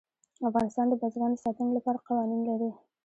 افغانستان د بزګان د ساتنې لپاره قوانین لري.